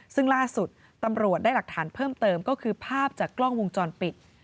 ซึ่งล่าสุดตำรวจได้หลักฐานเพิ่มเติมก็คือภาพจากกล้องวงจรปิด